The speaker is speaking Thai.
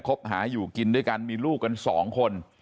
บหาอยู่กินด้วยกันมีลูกกันสองคน